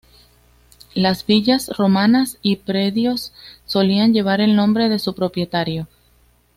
Las villas romanas y predios solían llevar el nombre de su propietario.